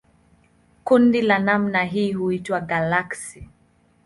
Kundi la namna hiyo huitwa galaksi.